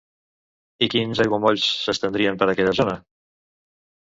I quins aiguamolls s'estenien per aquella zona?